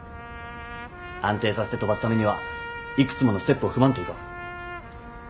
安定させて飛ばすためにはいくつものステップを踏まんといかん。